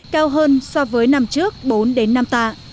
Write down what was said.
cao hơn so với năm trước bốn năm tạ